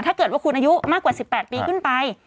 ถ้าเกิดว่าคุณอายุมากกว่า๑๘ปีขึ้นไป